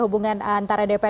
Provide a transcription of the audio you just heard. hubungan antara dpr